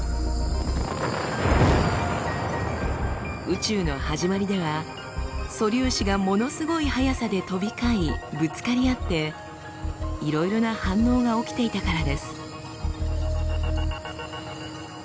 宇宙の始まりでは素粒子がものすごい速さで飛び交いぶつかり合っていろいろな反応が起きていたからです。